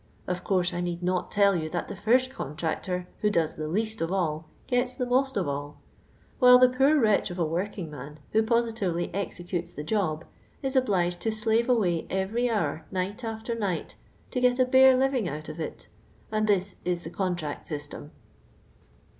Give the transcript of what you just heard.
Of course I need not tell you that the first contractor, who does the Ictut of all, gets the tiiott of all ; while the poor wretch of a working man, who positively executes the job, is obliged to slive away every hour, night after night, to get a bare living out of it; and this is the contract system."